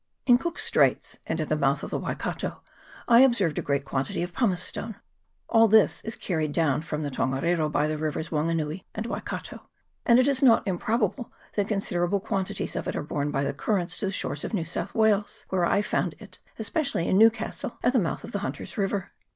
In Cook's Straits, and at the mouth of the Waikato, I observed a great quantity of pumicestone : all this is carried down from the Tongariro by the rivers Wanganui and Waikato ; and it is not improbable that considerable quantities of it are borne by the currents to the shores of New South Wales, where I found it, especially in Newcastle, at the mouth of the Hunter's river.